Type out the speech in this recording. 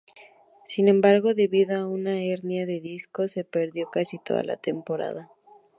Sn embargo, debido a una hernia de disco, se perdió casi toda la temporada.